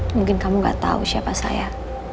mungkin kamu gak tahu siapa saya